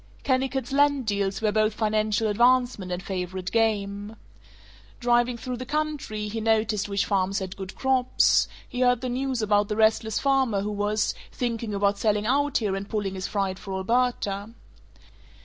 Kennicott's land deals were both financial advancement and favorite game. Driving through the country, he noticed which farms had good crops; he heard the news about the restless farmer who was "thinking about selling out here and pulling his freight for Alberta."